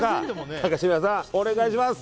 高島屋さん、お願いします。